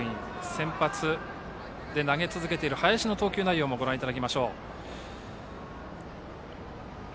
先発で投げ続けている林の投球内容をご覧いただきましょう。